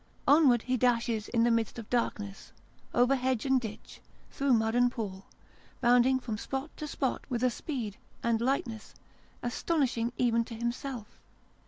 Onward he dashes in the midst of darkness, over hedge and ditch, through mud and pool, bound ing from spot to spot with a speed and lightness, astonishing even to himself.